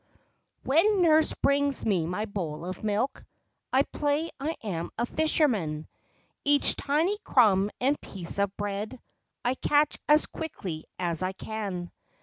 W hen nurse brings me my bowl of milk, 1 play I am a fisherman; Each tiny crumb and piece of bread I catch as quickly as I can.